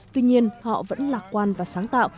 tuy nhiên họ vẫn lạc quan và sáng tạo